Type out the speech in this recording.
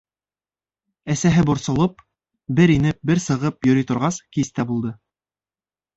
Әсәһе борсолоп, бер инеп, бер сығып йөрөй торғас, кис тә булды.